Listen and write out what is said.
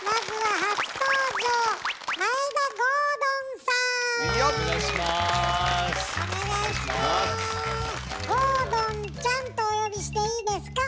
郷敦ちゃんとお呼びしていいですか？